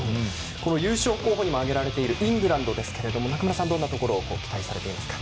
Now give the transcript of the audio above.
優勝候補にも挙げられるイングランドですが中村さん、どんなところ期待されていますか。